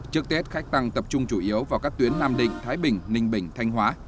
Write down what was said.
trước tết khách tăng tập trung chủ yếu vào các tuyến nam định thái bình ninh bình thanh hóa